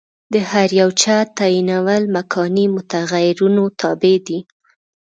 د هر یوه چت تعینول مکاني متغیرونو تابع دي.